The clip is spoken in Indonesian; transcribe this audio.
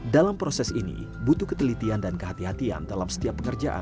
dalam proses ini butuh ketelitian dan kehati hatian dalam setiap pengerjaan